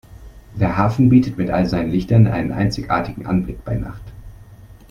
Der Hafen bietet mit all seinen Lichtern einen einzigartigen Anblick bei Nacht.